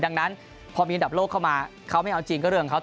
ดังนั้นพอมีอันดับโลกเข้ามาเขาไม่เอาจริงก็เรื่องของเขา